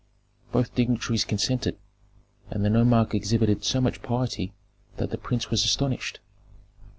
Both dignitaries consented, and the nomarch exhibited so much piety that the prince was astonished.